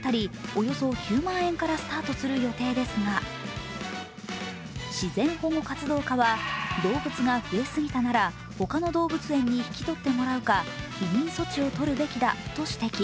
およそ９万円からスタートする予定ですが自然保護活動家は、動物が増えすぎたなら、他の動物園に引き取ってもらうか避妊措置をとるべきだと指摘。